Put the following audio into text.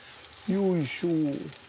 よいしょ。